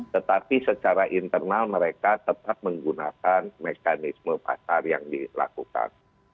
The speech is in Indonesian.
tetapi secara internal mereka tetap menggunakan mekanisme pasar yang dilakukan